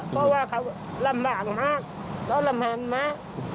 เพราะว่าคือลำบากมากต้องลำบากมาก